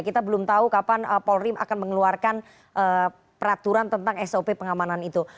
kita belum tahu kapan polri akan mengeluarkan peraturan tentang sop pengamanan itu